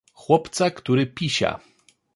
Chłopca, który pisia.